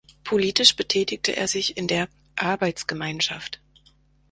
Politisch betätigte er sich in der „Arbeitsgemeinschaft“.